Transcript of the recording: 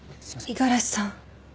五十嵐さん。